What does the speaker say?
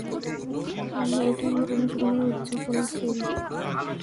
এটা নতুন জীবনের উদযাপনও ছিল।